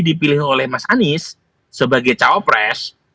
dipilih oleh mas anies sebagai cawa pres